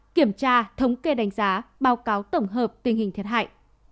kiểm tra thống kê đánh giá báo cáo tổng hợp tình hình thiệt hại